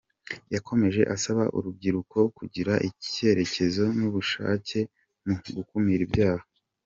Yakomeje asaba uru rubyiruko kugira icyerekezo n’ubushake mu gukumira ibyaha.